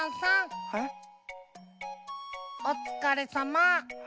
おつかれさま。